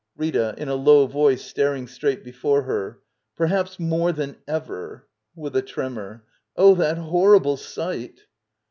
Rita. [In a low voice, staring straight before her.] PerhaoLinoifi, jhan .ever. [With a tremor.] Oh, that horrible sight